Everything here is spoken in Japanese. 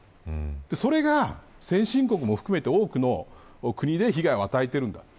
それが先進国も含めて多くの国で被害を与えているんだと。